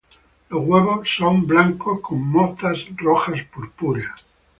Los huevos son blancos con motas rojas purpúreas.